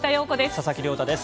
佐々木亮太です。